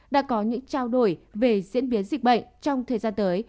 đã có những trao đổi về diễn biến dịch bệnh trong thời gian tới